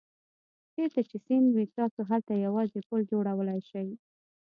چېرته چې سیند وي تاسو هلته یوازې پل جوړولای شئ.